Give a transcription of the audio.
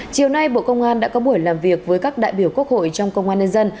chiều nay bộ công an đã có buổi làm việc với các đại biểu quốc hội trong công an nhân dân